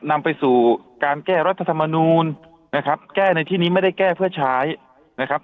นำไปสู่การแก้รัฐธรรมนูลนะครับแก้ในที่นี้ไม่ได้แก้เพื่อใช้นะครับ